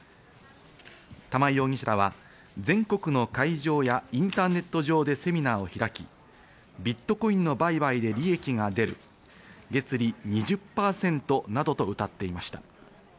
玉井容疑者らは全国の会場やインターネット上でセミナーを開き、ビットコインの売買で利益が出る、月利２０％などとうたっていました。